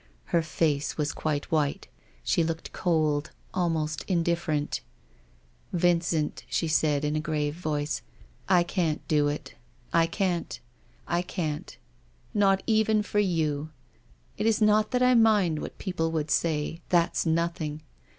Her face was quite white ; she looked cold, almost indifferent. " Vincent," she said in a grave voice, " I can't do it. I can't, I can't — not even for you ! Don't torture me, for Grod's sake. It is not that I mind what people would say — that's nothing.